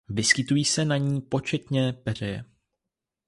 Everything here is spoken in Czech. Vyskytují se na ní početné peřeje.